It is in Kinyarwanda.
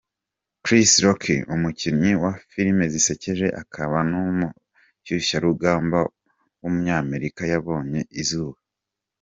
Chris Rock, umukinnyi wa filime zisekeje akaba n’umushyushyarugamba w’umunyamerika yabonye izuba.